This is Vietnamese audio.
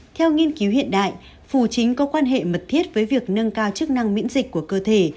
theo nghiên cứu hiện đại phù chính có quan hệ mật thiết với việc nâng cao chức năng miễn dịch của cơ thể